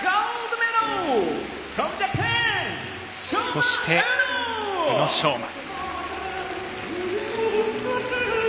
そして、宇野昌磨。